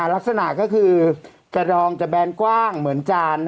ลักษณะก็คือกระดองจะแบนกว้างเหมือนจาน